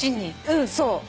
うんそう。